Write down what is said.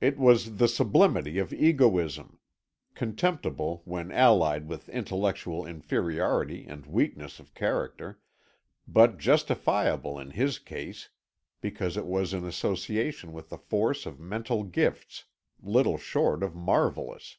It was the sublimity of egoism, contemptible when allied with intellectual inferiority and weakness of character, but justifiable in his case because it was in association with a force of mental gifts little short of marvellous.